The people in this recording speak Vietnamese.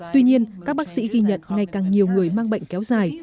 tuy nhiên các bác sĩ ghi nhận ngày càng nhiều người mang bệnh kéo dài